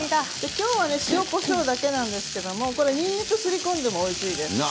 きょうは塩、こしょうだけですけれど、にんにくをすり込んでもおいしいですよ。